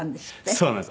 そうなんです。